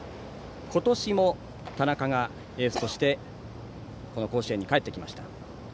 今年も田中がエースとしてこの甲子園に帰ってきました。